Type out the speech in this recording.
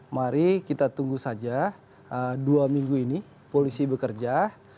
mari kita tunggu saja dua minggu ini polisi bekerja